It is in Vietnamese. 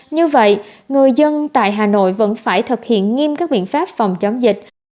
như vậy người dân tại hà nội vẫn phải thực hiện nghiêm các biện pháp phòng chống dịch